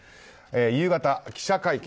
夕方、記者会見。